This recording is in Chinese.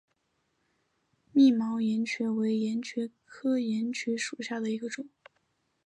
密毛岩蕨为岩蕨科岩蕨属下的一个种。